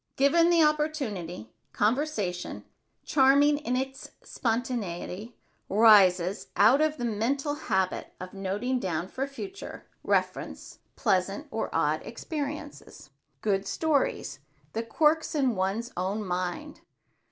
Given the opportunity, conversation, charming in its spontaneity, rises out of the mental habit of noting down for future reference pleasant or odd personal experiences, good stories, the quirks in one's own mind.